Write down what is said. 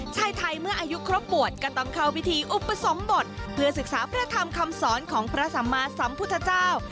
ชายไทยเมื่ออายุครบบวชก็ต้องเข้าพิธีอุปสมบทเพื่อศึกษาพระธรรมคำสอนของพระสัมมาสัมพุทธเจ้า